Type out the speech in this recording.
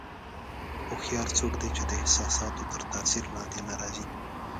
هوښیار څوک دی چې د احساساتو تر تاثیر لاندې نه راځي.